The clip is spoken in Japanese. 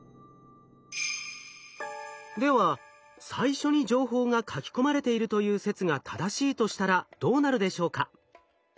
では最初に情報が書き込まれているという説が正しいとしたらどうなるでしょうか？